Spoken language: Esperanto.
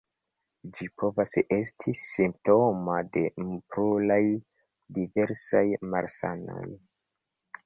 Ĝi povas esti simptomo de pluraj diversaj malsanoj.